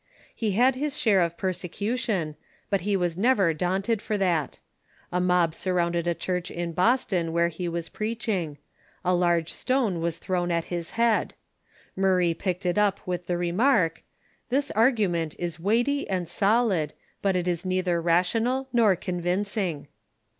lie had his share of persecution, but he was never daunted for that. A mob sur rounded a church in Boston where he >vas preaching. A large stone was thrown at his head. Murray picked it up with the remark, "This argument is Aveighty and solid, but it is neither rational nor convincing."